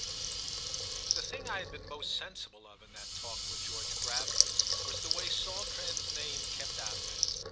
IX THE thing I had been most sensible of in that talk with George Gravener was the way Saltram's name kept out of it.